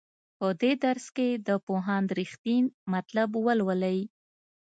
په دې درس کې د پوهاند رښتین مطلب ولولئ.